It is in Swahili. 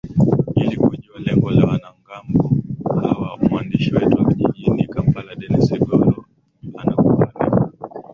ili kujua lengo la wanamgambo hawa mwandishi wetu wa jijini kampala dennis sigoro anakuarifu